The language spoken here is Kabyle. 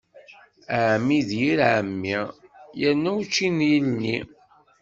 Ɛemmi d yir ɛemmi, irna učči n yilni.